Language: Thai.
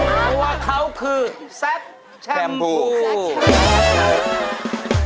เพราะว่าเขาคือแซคแชมพูชา